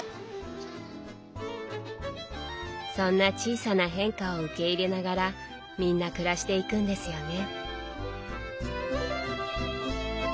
そんな小さな変化を受け入れながらみんな暮らしていくんですよね。